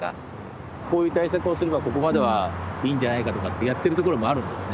こういう対策をすればここまではいいんじゃないかとかってやってるところもあるんですね。